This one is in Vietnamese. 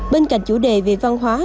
bên cạnh chủ đề về văn hóa